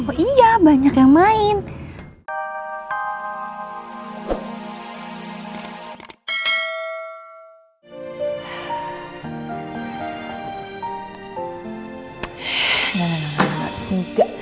oh iya banyak yang main